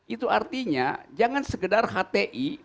itu artinya jangan sekedar hti